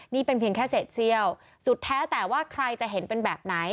นี่เป็นเพียงแค่เศษเซี่ยวสุดแท้แต่ว่าใครจะเห็นเป็นแบบไหน